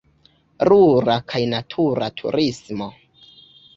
Rura kaj natura turismo.